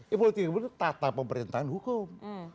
ini politik hukum itu tata pemerintahan hukum